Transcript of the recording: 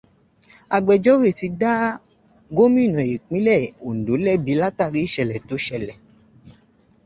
Agbẹjọ́ro ti dá gómìnà ìpínlẹ̀ Òǹdò lẹ́bi látàrí ìṣẹ̀lẹ̀ tó ṣẹlẹ̀.